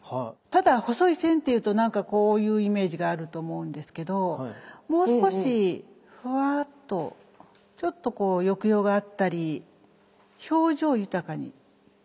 ただ細い線っていうとなんかこういうイメージがあると思うんですけどもう少しフワッとちょっとこう抑揚があったり表情豊かに。